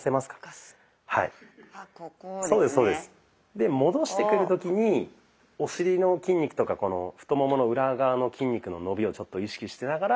で戻してくる時にお尻の筋肉とかこの太ももの裏側の筋肉の伸びを意識しながら。